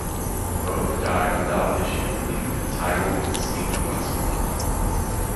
Both died without issue, leaving the title extinct once more.